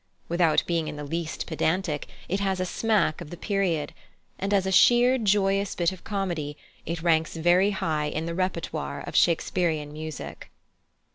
Without being in the least pedantic, it has a smack of the period; and as a sheer, joyous bit of comedy it ranks very high in the repertory of Shakespearian music.